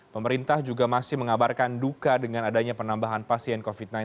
pemerintah juga masih mengabarkan duka dengan adanya penambahan pasien covid sembilan belas